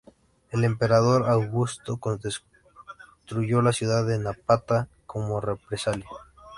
El emperador Augusto destruyó la ciudad de Napata como represalia.